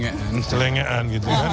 jadi ya easy going gitu kan